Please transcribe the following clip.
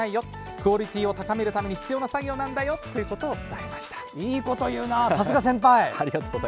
クオリティーを高めるために必要な作業なんだよって伝えました。